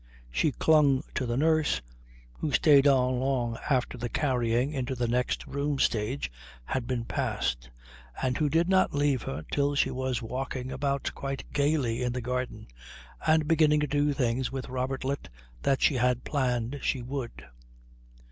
She clung to the nurse, who stayed on long after the carrying into the next room stage had been passed and who did not leave her till she was walking about quite gaily in the garden and beginning to do the things with Robertlet that she had planned she would.